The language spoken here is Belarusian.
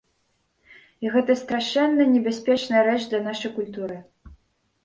І гэта страшэнна небяспечная рэч для нашай культуры.